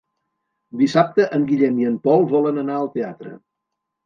Dissabte en Guillem i en Pol volen anar al teatre.